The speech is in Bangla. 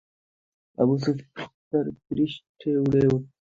আবু সুফিয়ান তার পৃষ্ঠে চড়ে উটকে দাঁড় করায়।